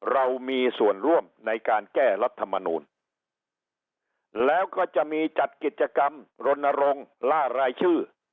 เรามีส่วนร่วมในการแก้รัฐมนูลแล้วก็จะมีจัดกิจกรรมรณรงค์ล่ารายชื่อ